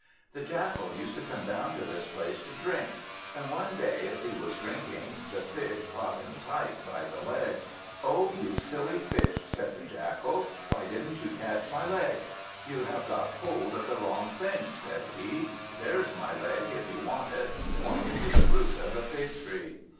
The Jackal used to come down to this place to drink, and one day, as he was drinking, the Fish caught him tight by the leg. "Oh you silly Fish," said the Jackal, "why didn't you catch my leg? You have got hold of the wrong thing," said he; "there's my leg, if you want it," pointing to the root of the fig tree.